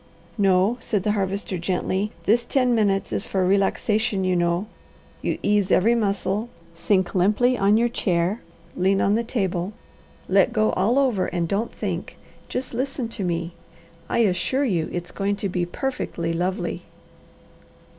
"No," said the Harvester gently. "This ten minutes is for relaxation, you know. You ease every muscle, sink limply on your chair, lean on the table, let go all over, and don't think. Just listen to me. I assure you it's going to be perfectly lovely."